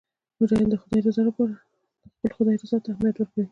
مجاهد د خپل خدای رضا ته اهمیت ورکوي.